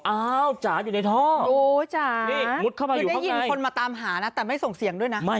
อ้าวจ๋าอยู่ในท่อนี่มุดเข้าไปคือได้ยินคนมาตามหานะแต่ไม่ส่งเสียงด้วยนะ